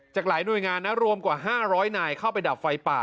จากหลายหน่วยงานนะรวมกว่า๕๐๐นายเข้าไปดับไฟป่า